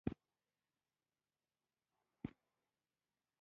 د والدینو خدمت د جنت کلي ده.